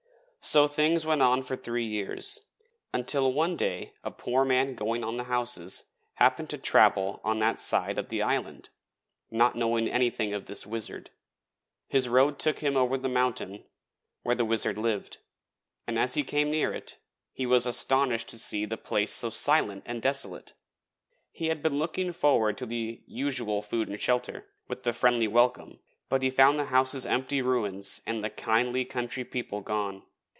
So things went on for three years, until one day a poor man going on the houses happened to travel on that side of the island, not knowing anything of this Wizard. His road took him over the mountain, where the Wizard lived, and as he came near it, he was astonished to see the place so silent and desolate. He had been looking forward to the usual food and shelter, with the friendly welcome, but he found the houses empty ruins and the kindly country people gone.